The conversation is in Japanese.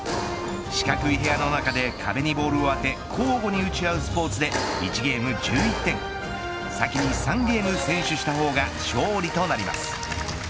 四角い部屋の中で壁にボールを当て交互に打ち合うスポーツで１ゲーム１１点先に３ゲーム先取した方が勝利となります。